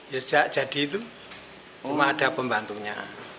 ya sejak jadi itu memang ada pembantunya